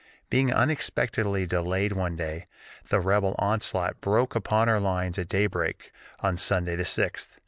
Being unexpectedly delayed one day, the rebel onslaught broke upon our lines at day break on Sunday the 6th.